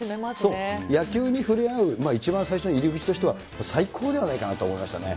そう、野球に触れ合う一番最初の入り口としては、最高ではないかなと思いましたね。